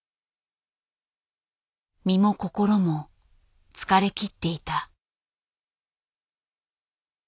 身も心も疲れきっていた。